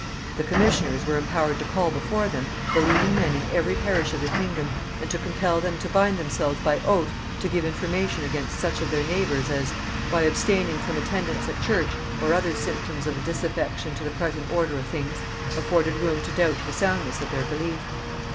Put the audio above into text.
The commissioners were empowered to call before them the leading men in every parish of the kingdom, and to compel them to bind themselves by oath to give information against such of their neighbours as, by abstaining from attendance at church or other symptoms of disaffection to the present order of things, afforded room to doubt the soundness of their belief.